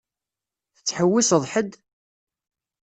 Tettḥewwiseḍ ḥedd?